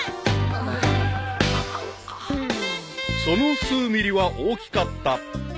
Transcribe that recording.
［その数ミリは大きかった］